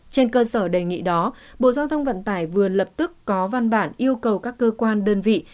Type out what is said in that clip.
trên cơ sở đề nghị đó bộ giao thông vận tải vừa lập tức có văn bản yêu cầu các cơ quan đơn vị